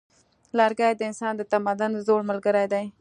لرګی د انسان د تمدن زوړ ملګری دی.